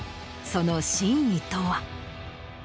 その真意とは？